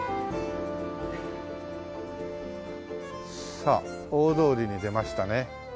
さあ大通りに出ましたね。